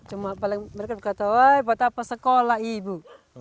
cuma mereka berkata woi buat apa sekolah ibu